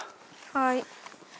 はい。